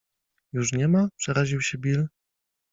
- Już nie ma? przeraził się Bill.